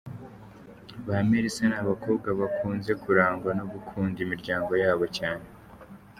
Ba Melissa ni abakobwa bakunze kurangwa no gukunda imiryango yabo cyane,.